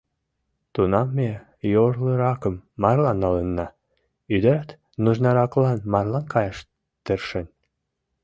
Тунам ме йорлыракым марлан налынна, ӱдырат нужнараклан марлан каяш тыршен.